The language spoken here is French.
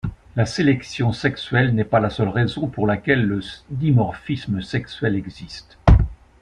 La sélection sexuelle n'est pas la seule raison pour laquelle le dimorphisme sexuel existe.